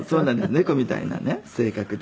「猫みたいな性格で」